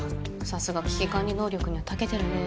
さすが危機管理能力にはたけてるね。